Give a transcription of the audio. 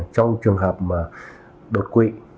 trong trường hợp đột quỵ